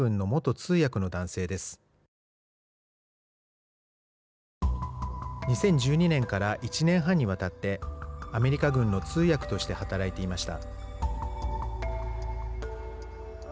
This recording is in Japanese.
２０１２年から１年半にわたってアメリカ軍の通訳として働いていました。